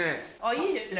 いいですね